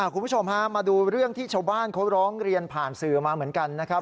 คุณผู้ชมฮะมาดูเรื่องที่ชาวบ้านเขาร้องเรียนผ่านสื่อมาเหมือนกันนะครับ